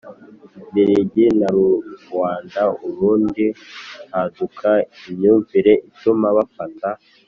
mbirigi na Ruanda Urundi haduka imyumvire ituma bafata